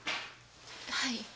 はい。